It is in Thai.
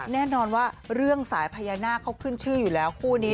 แน่นอนว่าเรื่องสายพญานาคเขาขึ้นชื่ออยู่แล้วคู่นี้